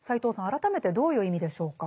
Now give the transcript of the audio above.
改めてどういう意味でしょうか。